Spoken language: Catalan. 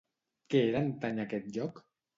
Què era antany aquest lloc?